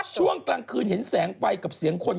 ช่วงกลางคืนเห็นแสงไฟกับเสียงคน